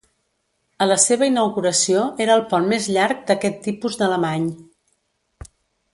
A la seva inauguració era el pont més llarg d'aquest tipus d'Alemany.